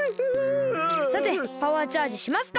さてパワーチャージしますか！